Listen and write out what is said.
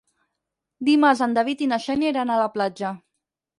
Dimarts en David i na Xènia iran a la platja.